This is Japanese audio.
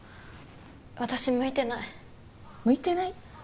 私向いてない向いてない？